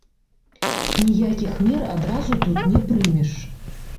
Ніякіх мер адразу тут не прымеш.